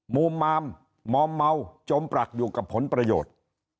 มุมมามอมเมาจมปรักอยู่กับผลประโยชน์